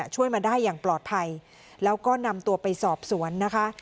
ช่วยมาได้อย่างปลอดภัยแล้วก็นำตัวไปสอบสวนนะคะ